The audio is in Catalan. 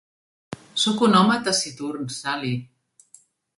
Sóc un home taciturn, Sally.